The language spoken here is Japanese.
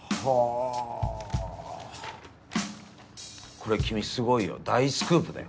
これ君すごいよ大スクープだよ。